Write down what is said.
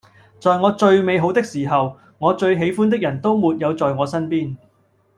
在我最美好的時候，我最喜歡的人都沒有在我身邊